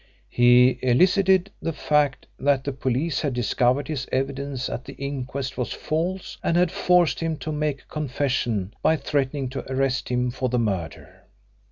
He elicited the fact that the police had discovered his evidence at the inquest was false and had forced him to make a confession by threatening to arrest him for the murder.